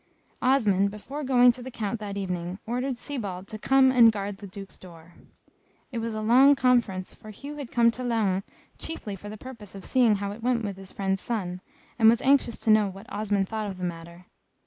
Osmond, before going to the Count that evening, ordered Sybald to come and guard the Duke's door. It was a long conference, for Hugh had come to Laon chiefly for the purpose of seeing how it went with his friend's son, and was anxious to know what Osmond thought of the matter.